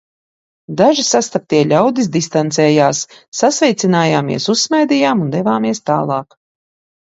Daži sastaptie ļaudis distancējās, sasveicinājāmies, uzsmaidījām un devāmies tālāk.